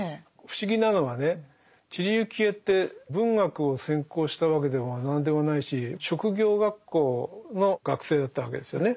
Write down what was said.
不思議なのはね知里幸恵って文学を専攻したわけでも何でもないし職業学校の学生だったわけですよね。